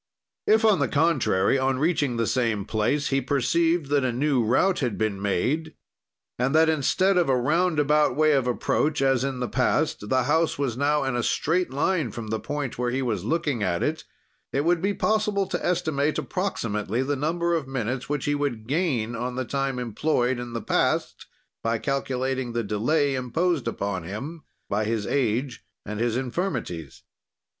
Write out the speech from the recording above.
"If, on the contrary, on reaching the same place he perceived that a new route had been made, and that instead of a roundabout way of approach, as in the past, the house was now in a straight line from the point where he was looking at it, it would be possible to estimate approximately the number of minutes which he could gain on the time employed in the past, by calculating the delay imposed upon him by his age and his infirmities.